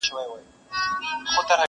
په شپه کي ګرځي محتسب د بلاګانو سره،